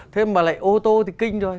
thế mà lại ô tô thì kinh rồi